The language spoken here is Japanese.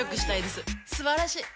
すばらしい！